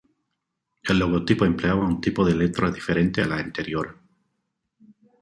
El logotipo empleaba un tipo de letra diferente a la anterior.